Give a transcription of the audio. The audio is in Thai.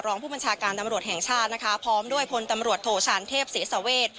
รองผู้บัญชาการตำรวจแห่งชาตินะคะพร้อมด้วยพลตำรวจโทชานเทพศรีสเวท